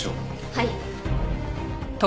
はい。